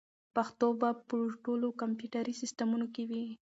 پښتو به په ټولو کمپیوټري سیسټمونو کې وي.